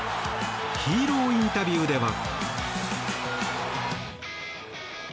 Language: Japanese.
ヒーローインタビューでは。